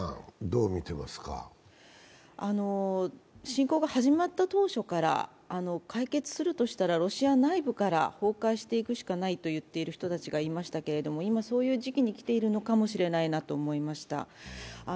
侵攻が始まった当初から解決するとしたらロシア内部から崩壊していくしかないと言っている人たちがいましたけれども今そういう時期に来ているのかもしれないなと思いました。